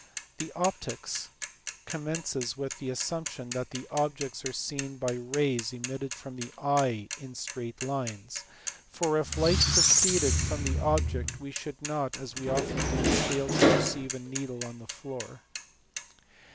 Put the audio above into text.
The Optics commences with the assumption that objects are seen by rays emitted from the eye in straight lines, "for if light proceeded from the object we should not, as we often do, fail to perceive a needle on the floor."